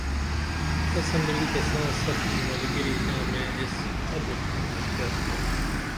تسہ ملی تساں سپُن ملگیری نامے ایس ابُت پھن اختیار کُرین